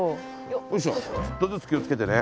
よいしょちょっとずつ気をつけてね。